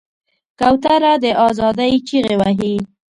کوتره د آزادۍ چیغې وهي.